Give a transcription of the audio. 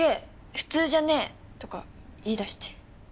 普通じゃねえ！とか言い出して。